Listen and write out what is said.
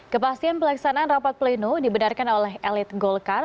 kepastian pelaksanaan rapat pleno dibenarkan oleh elit golkar